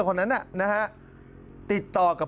คนนั้นน่ะนะฮะติดต่อกับ